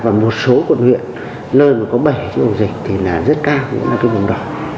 và một số quận huyện nơi mà có bảy cái ổ dịch thì là rất cao cũng là cái vùng đỏ